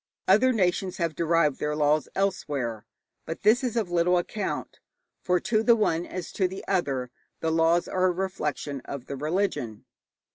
Other nations have derived their laws elsewhere. But this is of little account, for to the one, as to the other, the laws are a reflection of the religion.